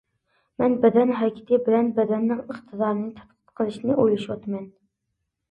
مەن بەدەن ھەرىكىتى بىلەن بەدەننىڭ ئىقتىدارىنى تەتقىق قىلىشنى ئويلىشىۋاتىمەن.